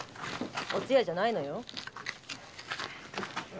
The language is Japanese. お通夜じゃないのよ。